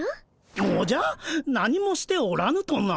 おじゃ何もしておらぬとな？